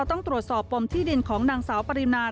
ต้องตรวจสอบปมที่ดินของนางสาวปรินา